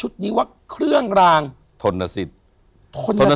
เด็ด